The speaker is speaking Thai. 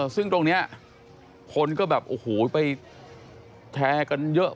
ซึ่งตรงนี้คนก็แบบโอ้โหไปแชร์กันเยอะ